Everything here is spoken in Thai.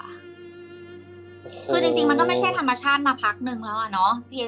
คือจริงมันก็ไม่ใช่ธรรมชาติมาพักนึงแล้วอะเนาะ